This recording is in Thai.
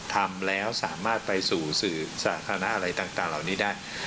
ทำแล้วสามารถไปสู่สื่อสาธารณะอะไรต่างเหล่านี้ได้